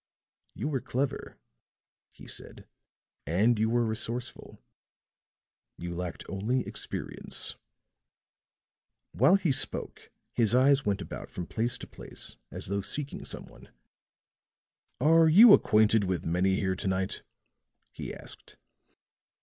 "You were clever," he said; "and you were resourceful. You lacked only experience." While he spoke his eyes went about from place to place as though seeking some one. "Are you acquainted with many here to night?" he asked.